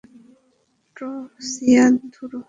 ট্রিসিয়া, ধুরো।